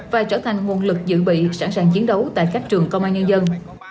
và trở thành nguồn lực dự bị sẵn sàng chiến đấu tại các trường công an nhân dân